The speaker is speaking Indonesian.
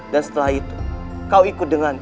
dan setelah itu kau ikut denganku